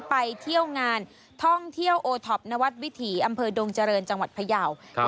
ไปเที่ยวงานท่องเที่ยวนะวัตต์วิถีอำเภอดงจริญจังหวัดพระเยาสิครับ